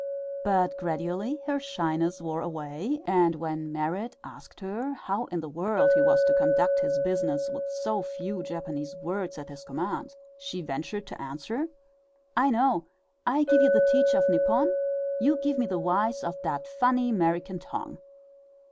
But gradually her shyness wore away, and when Merrit asked her how in the world he was to conduct his business with so few Japanese words at his command, she ventured to answer: "I know; I give you the teach of Nippon, you give me the wise of dat funny 'Merican tongue."